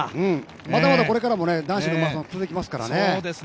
まだまだこれからも男子のマラソン続きますからね。